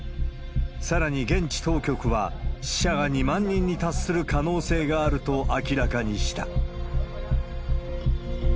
さらに現地当局は、死者が２万人に達する可能性があると明らかにした。